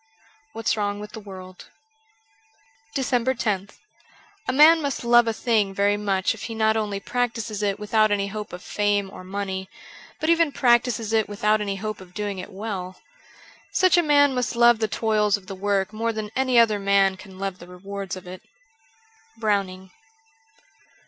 ' What's Wrong with the World' 381 DECEMBER loth A MAN must love a thing very much if he not only practises it without any hope of fame or money, but even practises it without any hope of doing it well. Such a man must love the toils of the work more than any other man can love the rewards of it. ' Browning.